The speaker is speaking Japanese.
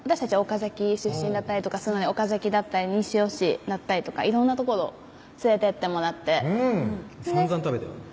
岡崎出身だったりするので岡崎だったり西尾市だったりとか色んな所連れてってもらってさんざん食べたよね